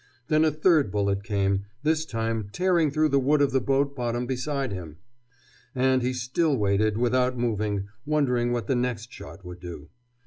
Then a third bullet came, this time tearing through the wood of the boat bottom beside him. And he still waited, without moving, wondering what the next shot would do.